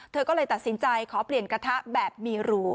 เธอก็เลยตัดสินใจขอเปลี่ยนกระทะแบบมีรู